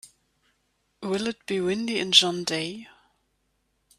Will it be windy in John Day?